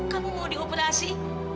kamu mau dioperasi